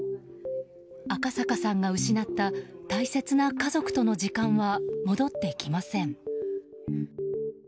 赤阪さんが失った大切な家族との時間は戻ってきません。